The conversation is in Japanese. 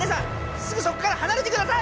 すぐそこからはなれてください！